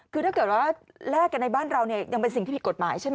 คือถ้าเกิดว่าแลกกันในบ้านเราเนี่ยยังเป็นสิ่งที่ผิดกฎหมายใช่ไหม